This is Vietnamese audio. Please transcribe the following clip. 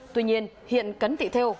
tuy nhiên hiện cấn thị thêu